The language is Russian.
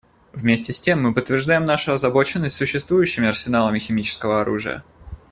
Вместе с тем мы подтверждаем нашу озабоченность существующими арсеналами химического оружия.